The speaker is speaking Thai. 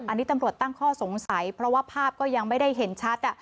อันนี้ตำรวจตั้งข้อสงสัยเพราะว่าภาพก็ยังไม่ได้เห็นชัด